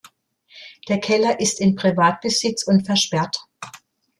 Der Keller ist in Privatbesitz und versperrt.